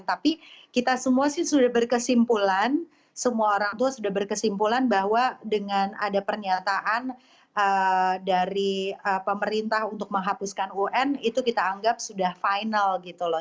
tapi kita semua sih sudah berkesimpulan semua orang tua sudah berkesimpulan bahwa dengan ada pernyataan dari pemerintah untuk menghapuskan un itu kita anggap sudah final gitu loh